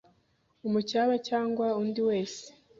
Umucyaba cyangwa undi wese,